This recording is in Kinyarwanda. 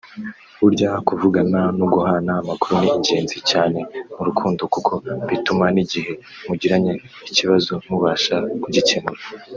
Burya kuvugana no guhana amakuru ni ingenzi cyane mu rukundo kuko bituma n’igihe mugiranye ikibazo mubasha kugikemura